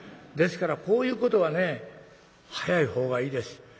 ですからこういうことはね早い方がいいです。